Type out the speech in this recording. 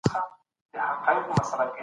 افغانستان د سیمې د اقتصادي انزوا برخه نه دی.